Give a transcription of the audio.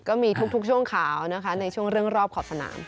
ก็มีทุกช่วงข่าวนะคะในช่วงเรื่องรอบขอบสนาม